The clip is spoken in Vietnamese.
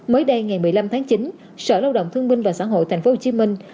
mới đây ngày một mươi năm tháng chín sở lao động thương minh và xã hội thành phố hồ chí minh